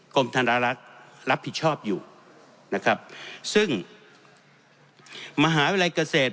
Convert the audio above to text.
ธนรักษ์รับผิดชอบอยู่นะครับซึ่งมหาวิทยาลัยเกษตร